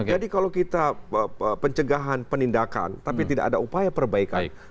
jadi kalau kita pencegahan penindakan tapi tidak ada upaya perbaikan